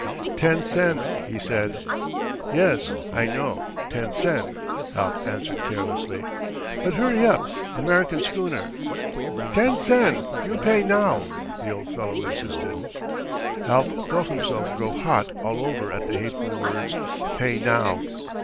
"Ten sen," he said. "Yes, I know, ten sen," Alf answered carelessly. "But hurry up. American schooner." "Ten sen. You pay now," the old fellow insisted. Alf felt himself grow hot all over at the hateful words "pay now."